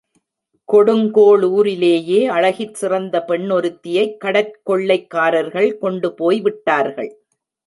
கொடுங்கோளூரிலேயே அழகிற் சிறந்த பெண்ணொருத்தியைக் கடற்கொள்ளைக்காரர்கள் கொண்டுபோய்விட்டார்கள்!